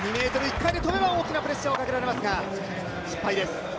２ｍ、１回目跳べば大きなプレッシャーをかけれますが、失敗です。